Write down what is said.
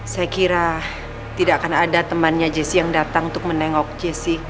saya kira tidak akan ada temannya jessi yang datang untuk menengok jessi